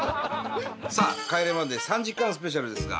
さあ『帰れマンデー』３時間スペシャルですが。